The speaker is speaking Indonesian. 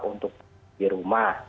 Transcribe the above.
untuk di rumah